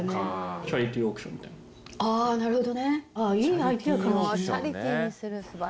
あなるほどねいいアイデアかもしんない。